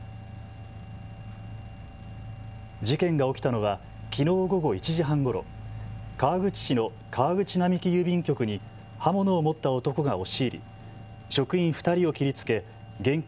事件が起きたのはきのう午後１時半ごろ、川口市の川口並木郵便局に刃物を持った男が押し入り職員２人を切りつけ現金